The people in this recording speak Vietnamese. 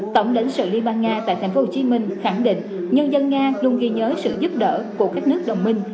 tổng lãnh sự liên bang nga tại tp hcm khẳng định nhân dân nga luôn ghi nhớ sự giúp đỡ của các nước đồng minh